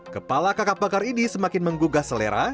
kepala kakap bakar ini semakin menggugah selera